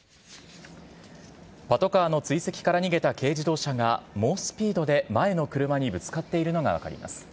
パトカーの追跡から逃げた軽自動車が、猛スピードで前の車にぶつかっているのが分かります。